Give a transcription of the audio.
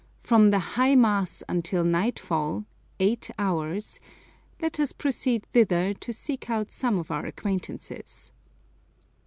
from the high mass until nightfall (eight hours), let us proceed thither to seek out some of our acquaintances.